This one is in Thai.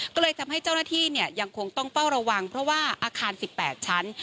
ก็เลยทำให้เจ้าหน้าที่ยังคงต้องเฝ้าระวังเพราะว่าอาคาร๑๘ชั้น